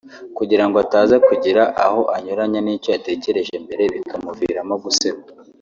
kugirango ataza kugira aho anyuranya n’icyo yatekereje mbere bikamuviramo guseba